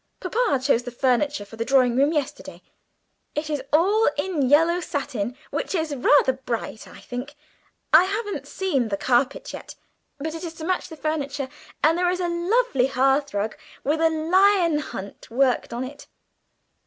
Papa chose the furniture for the drawing room yesterday. It is all in yellow satin, which is rather bright, I think. I haven't seen the carpet yet, but it is to match the furniture; and there is a lovely hearthrug, with a lion hunt worked on it.